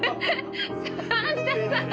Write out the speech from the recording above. サンタさん！